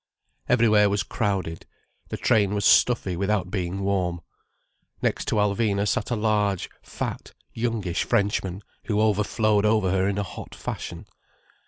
Everywhere was crowded, the train was stuffy without being warm. Next to Alvina sat a large, fat, youngish Frenchman who overflowed over her in a hot fashion.